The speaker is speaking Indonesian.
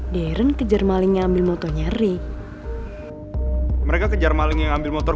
darren kejar malingnya ambil motonya ray